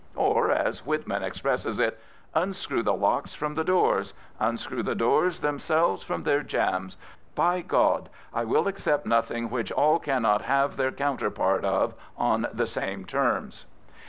Or, as Whitman expresses it : Unscrew the locks from the doors I Unscrew the doors themselves from their iambs! By God! I will accept nothing which all cannot have their counterpart of on the same terms.